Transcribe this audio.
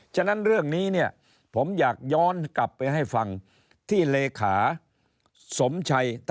ฉะนั้นเรื่องนี้เนี่ยผมอยากย้อนกลับไปให้ฟังที่เลขาสมชัย